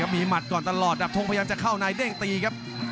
มีหมัดก่อนตลอดดับทงพยายามจะเข้าในเด้งตีครับ